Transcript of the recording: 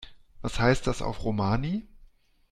Was heißt das auf Romani?